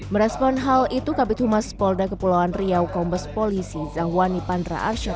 merespon hal itu kabit humas polda kepulauan riau kombes polisi zahwani pandra arsyad